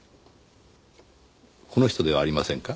この人ではありませんか？